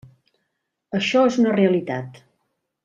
Això és una realitat.